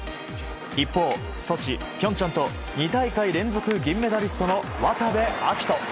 一方、ソチ、ピョンチャンと、２大会連続銀メダリストの渡部暁斗。